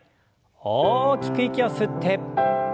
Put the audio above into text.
大きく息を吸って。